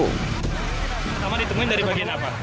pertama ditemuin dari bagian apa